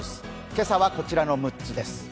今朝はこちらの６つです。